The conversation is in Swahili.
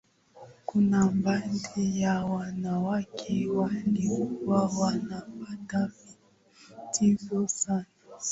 Kuna baadhi ya wanawake walikuwa wanapata vitisho sana